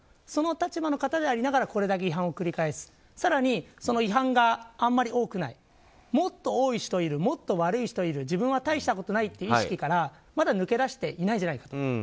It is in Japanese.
その立場でありながらこれだけ違反を繰り返す更に、その違反があまり多くないもっと多い人いるもっと悪い人いる自分は大したことないという意識からまだ抜け出していないんじゃないかと。